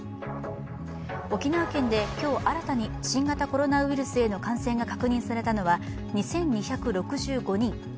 沖縄県で今日新たに新型コロナウイルスへの感染が確認されたのは２２６５人。